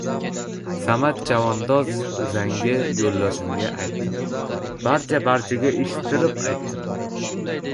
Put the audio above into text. Samad chavandoz uzangi yo‘ldoshimga aytdim, barcha-barchaga eshittirib aytdim: